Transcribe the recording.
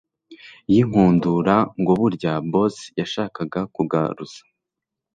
yinkundura ngo burya boss yashakaga kugaruza